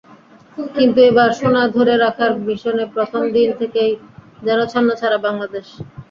কিন্তু এবার সোনা ধরে রাখার মিশনে প্রথম দিন থেকেই যেন ছন্নছাড়া বাংলাদেশ।